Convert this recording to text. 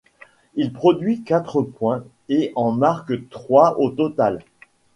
Il produit quatre points et en marque trois au total.